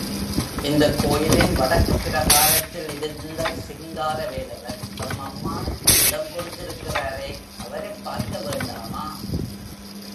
இந்தக் கோயிலின் வடக்குப் பிரகாரத்தில் இருந்த சிங்கார வேலவர் தம் அம்மானுக்கு இடம் கொடுத்திருக்கிறாரே, அவரைப் பார்க்க வேண்டாமா?